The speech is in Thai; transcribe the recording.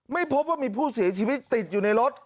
ไม่พบว่ามีผู้เสียชีวิตติดอยู่ในรถ